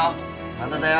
まだだよ。